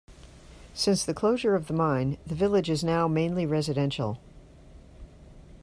Since the closure of the mine the village is now mainly residential.